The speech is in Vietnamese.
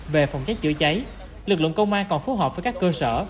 về phòng cháy chữa cháy lực lượng công an còn phù hợp với các cơ sở